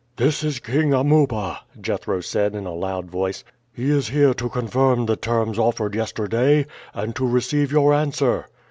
"This is King Amuba," Jethro said in a loud voice. "He is here to confirm the terms offered yesterday, and to receive your answer."